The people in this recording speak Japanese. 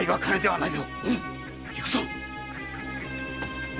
行くぞ！